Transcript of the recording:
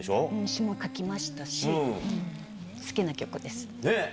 詞も書きましたし、好きな曲です。